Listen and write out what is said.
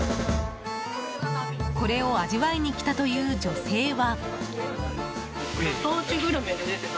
これを味わいに来たという女性は。